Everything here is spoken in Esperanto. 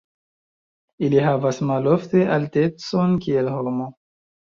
Ili havas malofte altecon kiel homo.